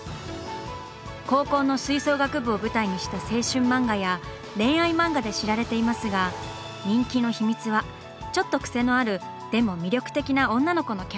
高校の吹奏楽部を舞台にした青春漫画や恋愛漫画で知られていますが人気の秘密はちょっとクセのあるでも魅力的な女の子のキャラクターです。